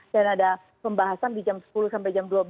dan ada pembahasan di jam sepuluh sampai jam dua belas